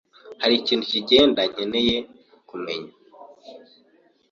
Hari ikintu kigenda nkeneye kumenya?